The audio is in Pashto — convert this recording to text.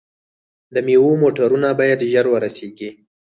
د میوو موټرونه باید ژر ورسیږي.